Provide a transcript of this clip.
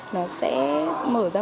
nó sẽ mở ra